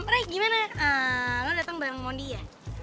ray gimana lu datang bareng mondi ya